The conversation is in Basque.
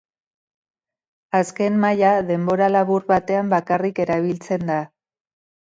Azken maila, denbora labur batean bakarrik erabiltzen da.